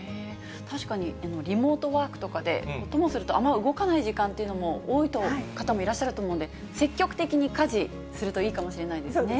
確かにリモートワークとかで、ともするとあまり動かない時間も多い方もいらっしゃると思うので、積極的に家事するといいかもしれないですね。